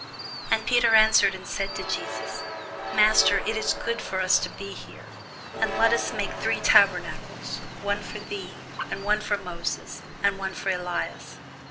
And Peter answered and said to Jesus, Master, it is good for us to be here: and let us make three tabernacles; one for thee, and one for Moses, and one for Elias.